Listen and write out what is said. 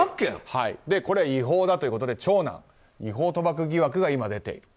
これは違法だということで長男、違法賭博疑惑が出ていると。